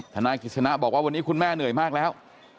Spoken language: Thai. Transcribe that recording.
นายกิจสนะบอกว่าวันนี้คุณแม่เหนื่อยมากแล้ว